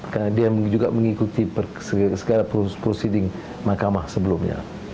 karena dia juga mengikuti segala prosedur mahkamah sebelumnya